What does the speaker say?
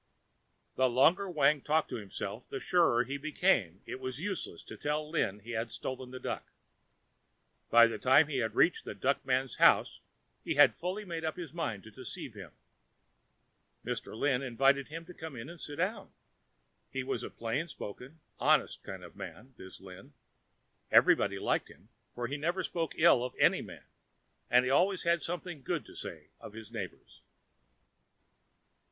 The longer Wang talked to himself, the surer he became that it was useless to tell Lin that he had stolen the duck. By the time he had reached the duck man's house he had fully made up his mind to deceive him. Mr. Lin invited him to come in and sit down. He was a plain spoken, honest kind of man, this Lin. Everybody liked him, for he never spoke ill of any man and he always had something good to say of his neighbours.